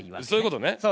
そういうことね。